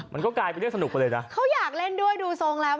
มันก็กลายเป็นเรื่องสนุกไปเลยนะเขาอยากเล่นด้วยดูทรงแล้ว